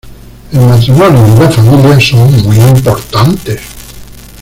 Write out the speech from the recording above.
El matrimonio y la familia son muy importantes.